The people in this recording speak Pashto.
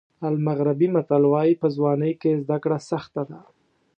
المغربي متل وایي په ځوانۍ کې زده کړه سخته ده.